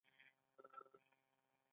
سخوندر د غوا له غولانځې پی رودلي دي